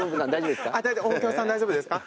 大丈夫ですか？